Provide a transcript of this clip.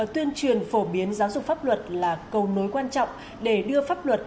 tuyên truyền phổ biến giáo dục pháp luật là cầu nối quan trọng để đưa pháp luật